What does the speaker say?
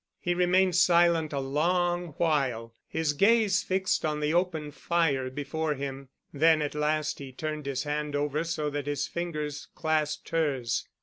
He remained silent a long while, his gaze fixed on the open fire before him. Then at last he turned his hand over so that his fingers clasped hers.